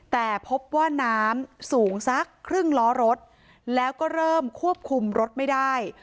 แต่พบว่าน้ำสูงสักครึ่งล้อรถแล้วก็เริ่มควบคุมรถไม่ได้